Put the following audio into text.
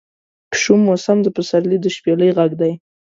شو موسم د پسرلي د شپیلۍ غږدی